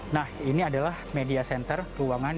nah ini adalah media center ruangan